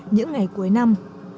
những ngày cuối năm